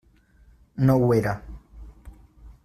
No ho era.